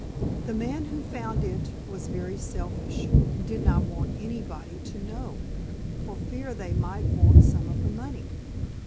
The man who found it was very selfish and did not want anybody to know, for fear they might want some of his money.